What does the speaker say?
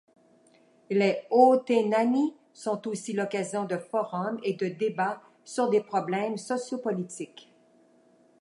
Les Hootenannies sont aussi l'occasion de forums et de débats sur des problèmes socio-politiques.